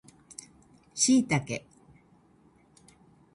シイタケ